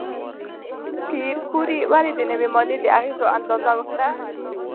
پېیر کوري ولې د نوې ماده د اغېزو اندازه وکړه؟